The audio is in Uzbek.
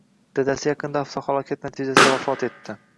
Dadasi yaqinda avtohalokat natijasida vafot etdi